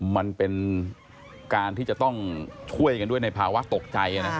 มันเป็นการที่จะต้องช่วยกันด้วยในภาวะตกใจ